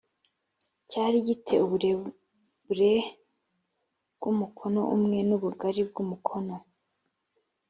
cyari gi te uburebure bw umukono umwe n ubugari bw umukono